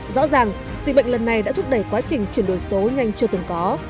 rõ ràng dịch bệnh lần này đã thúc đẩy quá trình chuyển đổi số nhanh chưa từng có